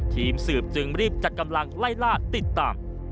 ทีมสืบจึงรีบจัดกำลังไล่ล่าติดตาม